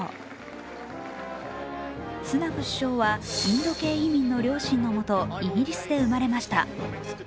首相はインド系移民の両親のもと、イギリスで生まれました。